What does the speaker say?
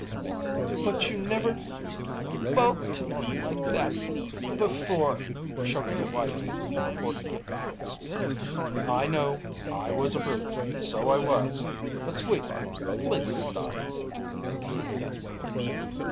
"But you never sp poke like that to me b before," choked the wife of a fortnight. "I know. I was a brute so I was! But, sweetheart, please stop," he pleaded desperately.